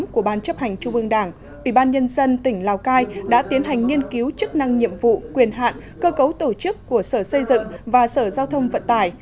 của ban chấp hành trung ương đảng ủy ban nhân dân tỉnh lào cai đã tiến hành nghiên cứu chức năng nhiệm vụ quyền hạn cơ cấu tổ chức của sở xây dựng và sở giao thông vận tải